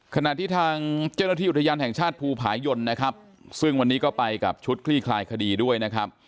ขณะที่ทางเจ้าหน้าที่อุทยานแห่งชาติภูผายนนะครับซึ่งวันนี้ก็ไปกับชุดคลี่คลายคดีด้วยนะครับ